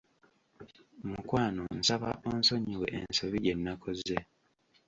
Mukwano nsaba onsonyiwe ensobi gye nakoze.